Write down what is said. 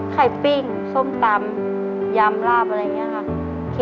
ขายไข่เป้งส้มตำยามลาบเอะนี่นะค่ะ